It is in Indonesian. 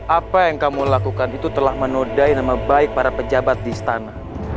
apa yang kamu lakukan itu telah menodai nama baik para pejabat di istana